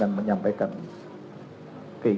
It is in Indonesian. aku misalnya pakai gaya terakhir